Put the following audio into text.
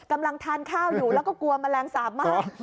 กำลังทานข้าวอยู่แล้วก็กลัวแมลงสาบมาก